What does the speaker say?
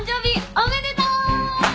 おめでとう！